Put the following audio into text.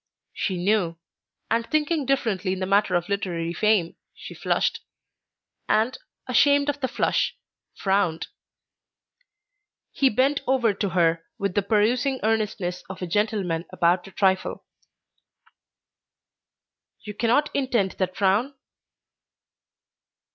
She knew, and thinking differently in the matter of literary fame, she flushed, and, ashamed of the flush, frowned. He bent over to her with the perusing earnestness of a gentleman about to trifle. "You cannot intend that frown?"